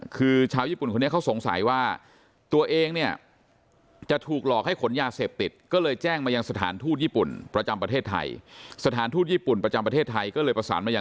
คือชาวญี่ปุ่นคนนี้เขาสงสัยว่าตัวเองเนี่ย